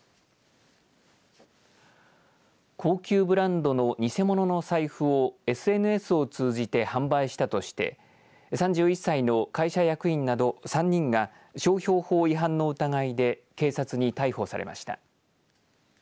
高級ブランドの偽物の財布をＳＮＳを通じて販売したとして３１歳の会社役員など３人が商標法違反の疑いで警察に逮捕されました。